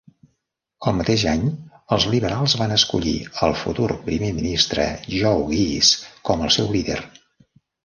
El mateix any, els liberals van escollir al futur primer ministre Joe Ghiz com el seu líder.